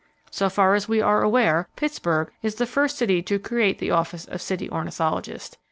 So far as we are aware, Pittsburgh is the first city to create the office of City Ornithologist.